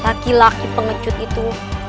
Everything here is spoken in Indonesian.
laki laki pengecut itu